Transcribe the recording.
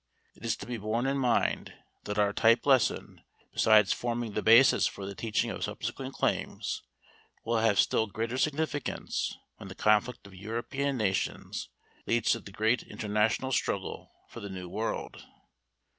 It is to be borne in mind that our type lesson, besides forming the basis for the teaching of subsequent claims, will have still greater significance when the conflict of European nations leads to the great international struggle for the New World.